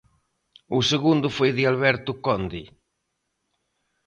O segundo foi de Alberto Conde.